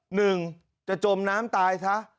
หนึ่งจะจมน้ำตายซะ